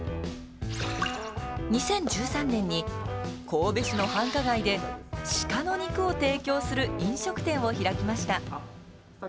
２０１３年に神戸市の繁華街でしかの肉を提供する飲食店を開きました。